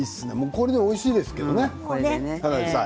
これでもおいしいですよね。